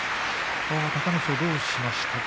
隆の勝どうしましたか。